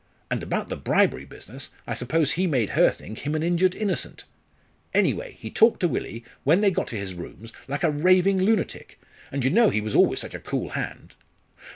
And about the bribery business I suppose he made her think him an injured innocent. Anyway, he talked to Willie, when they got to his rooms, like a raving lunatic, and you know he was always such a cool hand.